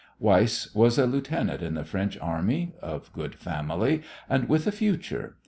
Weiss was a lieutenant in the French Army, of good family, and with a future.